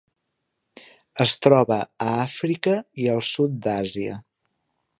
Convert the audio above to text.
Es troba a Àfrica i al sud d'Àsia.